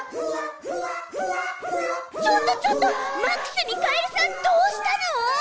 ちょっとちょっとマックスにカエルさんどうしたの？